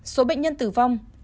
ba số bệnh nhân tử vong